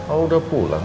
oh udah pulang